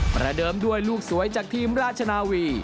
ประเดิมด้วยลูกสวยจากทีมราชนาวี